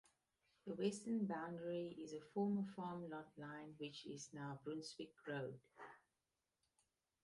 The western boundary is a former farm-lot line which is now Brunswick Road.